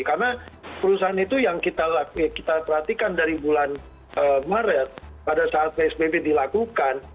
karena perusahaan itu yang kita perhatikan dari bulan maret pada saat psbb dilakukan